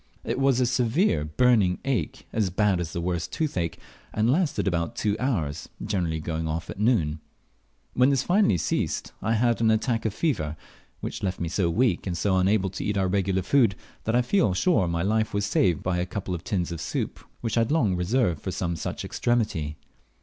It was a severe burning ache, as bad as the worst toothache, and lasted about two hours, generally going off at noon. When this finally ceased, I had an attack of fever, which left me so weak and so unable to eat our regular food, that I feel sure my life was saved by a couple of tins of soup which I had long reserved for some such extremity.